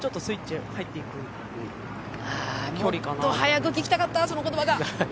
もっと早く聞きたかったその言葉が。